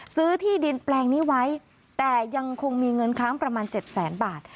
ซื้อที่ดินแปลงนี้ไว้แต่ยังคงมีเงินค้างประมาณ๗แสนบาท